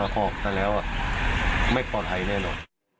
ค่ะไม่ปลอดภัยแน่นอน